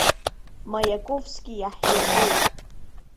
Маиаковски иаҳирбоит.